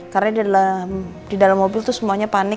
karena di dalam mobil itu semuanya panik